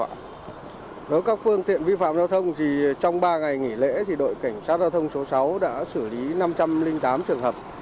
với các phương tiện vi phạm giao thông thì trong ba ngày nghỉ lễ thì đội cảnh sát giao thông số sáu đã xử lý năm trăm linh tám trường hợp